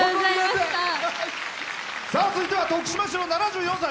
続いては、徳島市の７４歳。